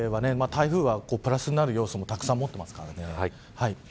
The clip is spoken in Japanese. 台風がプラスになる要素もたくさん持ってますからね。